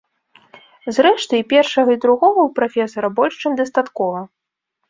Зрэшты, і першага, і другога ў прафесара больш чым дастаткова.